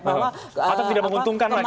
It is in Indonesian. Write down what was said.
bahwa kemanfaatannya kurang mungkin